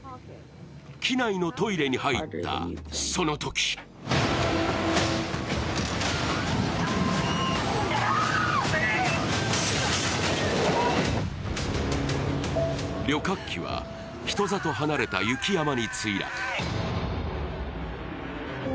機内のトイレに入ったそのとき旅客機は人里離れた雪山に墜落。